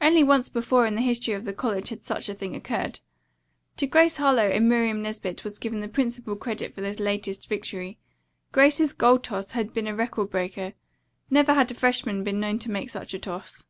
Only once before in the history of the college had such a thing occurred. To Grace Harlowe and Miriam Nesbit was given the principal credit for this latest victory. Grace's goal toss had been a record breaker. Never had a freshman been known to make such a toss.